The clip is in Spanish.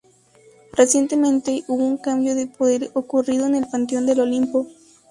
Recientemente, hubo un cambio de poder ocurrido en el Panteón del olimpo.